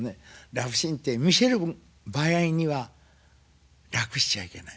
ラブシーンって見せる場合には楽しちゃいけない。